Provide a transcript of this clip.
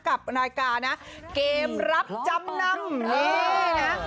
กับรายการเกมรับจำนำ